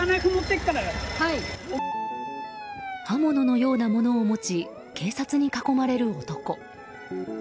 刃物のようなものを持ち警察に囲まれる男。